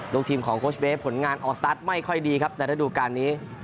ลูกทีมของโคชเบสผลงานออกสตาร์ทไม่ค่อยดีครับในระดูการนี้